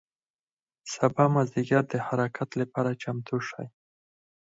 سبا مازدیګر د حرکت له پاره چمتو شئ.